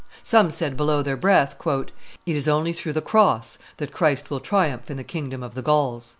Some said below their breath, "It is only through the cross that Christ will triumph in the kingdom of the Gauls."